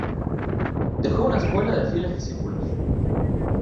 Dejó una escuela de fieles discípulos.